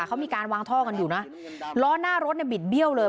เขามีการวางท่อกันอยู่นะล้อหน้ารถเนี่ยบิดเบี้ยวเลย